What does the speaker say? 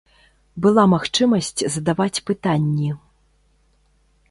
Была магчымасць задаваць пытанні.